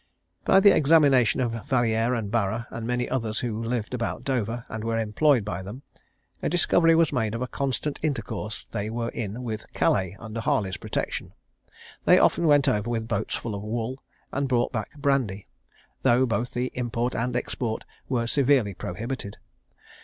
"By the examination of Valiere and Bara, and of many others who lived about Dover, and were employed by them, a discovery was made of a constant intercourse they were in with Calais, under Harley's protection. They often went over with boats full of wool, and brought back brandy, though both the import and export were severely prohibited.